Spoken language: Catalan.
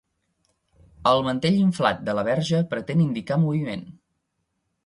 El mantell inflat de la Verge pretén indicar moviment.